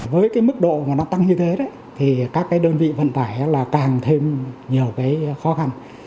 với cái mức độ mà nó tăng như thế thì các đơn vị phận tải càng thêm nhiều khó khăn